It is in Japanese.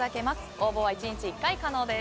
応募は１日１回可能です。